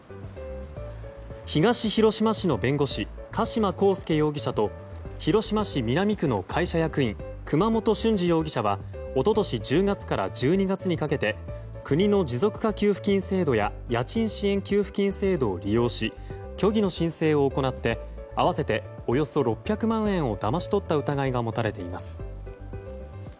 東広島市の弁護士加島康介容疑者と広島市南区の会社役員熊本俊二容疑者は一昨年１０月から１２月にかけて国の持続化給付金制度や家賃支援給付金制度を利用し虚偽の申請を行って合わせておよそ６００万円をだまし取った疑いが持たれています。